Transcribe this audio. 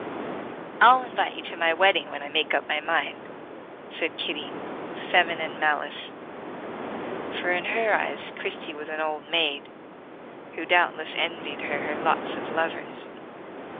"I'll invite you to my wedding when I make up my mind," said Kitty, with feminine malice; for in her eyes Christie was an old maid who doubtless envied her her "lots of lovers."